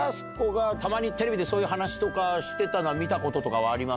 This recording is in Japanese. やす子がたまにテレビでそういう話とかしてたの、見たことはあります？